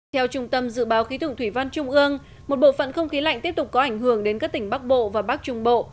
theo trung tâm dự báo khí tượng thủy văn trung ương một bộ phận không khí lạnh tiếp tục có ảnh hưởng đến các tỉnh bắc bộ và bắc trung bộ